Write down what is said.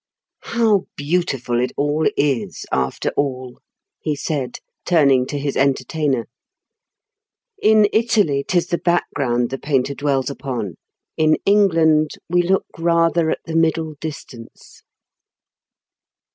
"How beautiful it all is, after all," he said, turning to his entertainer. "In Italy 'tis the background the painter dwells upon; in England, we look rather at the middle distance."